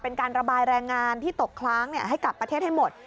เป็นการระบายแรงงานที่ตกค้างให้กลับประเทศให้หมด